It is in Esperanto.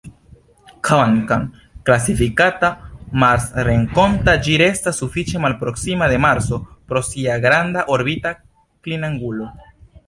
Kvankam klasifikata "marsrenkonta", ĝi restas sufiĉe malproksima de Marso pro sia granda orbita klinangulo.